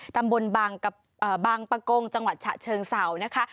ตำบลบางปะโกงจังหวัดฉะเชิงเศร้านะคะ